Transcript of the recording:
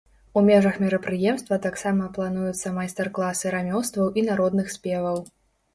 У межах мерапрыемства таксама плануюцца майстар-класы рамёстваў і народных спеваў.